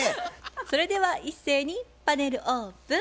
それでは一斉にパネルオープン。